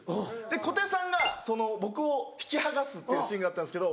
小手さんが僕を引き剥がすっていうシーンがあったんですけど。